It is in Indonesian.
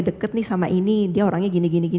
deket nih sama ini dia orangnya gini gini gini